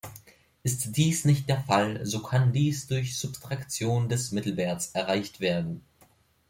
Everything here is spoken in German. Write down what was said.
Ist dies nicht der Fall, so kann dies durch Subtraktion des Mittelwerts erreicht werden.